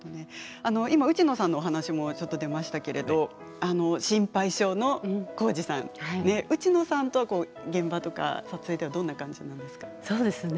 今、内野さんのお話もちょっと出ましたけれど心配性の耕治さん内野さんと現場とか撮影ではどんな感じなんですか？